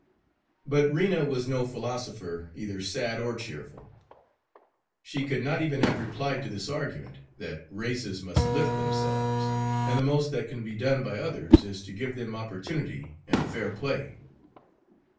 But Rena was no philosopher, either sad or cheerful. She could not even have replied to this argument, that races must lift themselves, and the most that can be done by others is to give them opportunity and fair play.